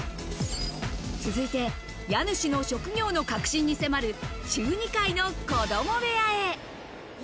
続いて家主の職業の核心に迫る中２階の子供部屋へ。